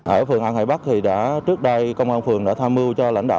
ở phường an hải bắc thì đã trước đây công an phường đã tha mưu cho lãnh đạo